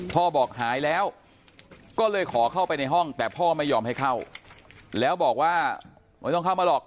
พ่อบอกหายแล้วก็เลยขอเข้าไปในห้องแต่พ่อไม่ยอมให้เข้าแล้วบอกว่าไม่ต้องเข้ามาหรอก